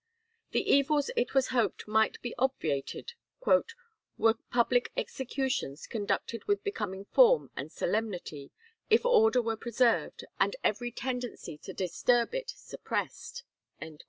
The evils it was hoped might be obviated "were public executions conducted with becoming form and solemnity, if order were preserved and every tendency to disturb it suppressed."